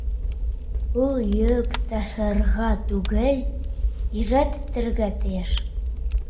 Ул йөк ташырға түгел, ижад итергә тейеш!